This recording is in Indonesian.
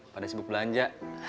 pada sibuk belanja